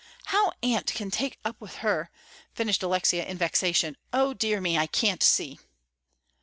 "And how Aunt can take up with her," finished Alexia in vexation, "O dear me, I can't see."